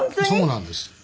そうなんです。